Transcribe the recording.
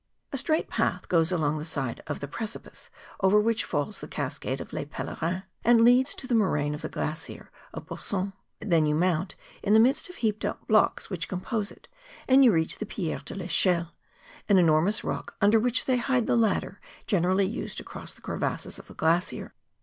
A straight path goes along the side of the pre¬ cipice over which falls the cascade des Pelerins, and leads to the moraine of the glacier of Bossons; then you mount in the midst of the heaped up blocks wiiicli compose it, and you reach the Pierre de TEchelle, an enormous rock under which they hide the ladder generally used to cross the crevasses of the glacier.